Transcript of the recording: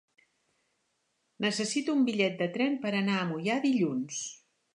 Necessito un bitllet de tren per anar a Moià dilluns.